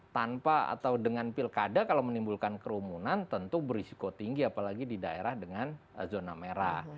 tanpa atau dengan pilkada kalau menimbulkan kerumunan tentu berisiko tinggi apalagi di daerah dengan zona merah